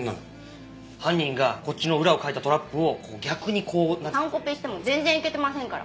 犯人がこっちの裏をかいたトラップを逆にこうなんつうか。完コピしても全然イケてませんから。